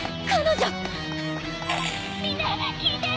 みんな聞いて！